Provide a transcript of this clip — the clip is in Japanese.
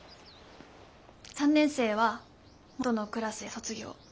３年生は元のクラスで卒業。